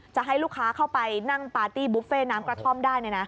จะให้ลูกค้าเข้าไปนั่งปาร์ตี้บุฟเฟ่น้ำกระท่อมได้